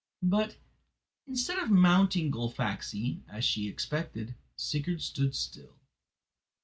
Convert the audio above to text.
But, instead of mounting Gullfaxi, as she expected, Sigurd stood still.